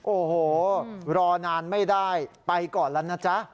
โอ้โหรอนานไม่ได้ไปก่อนแล้วนะจ๊ะ